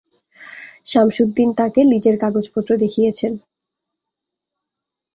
সামসুদ্দিন তাঁকে লিজের কাগজপত্র দেখিয়েছেন।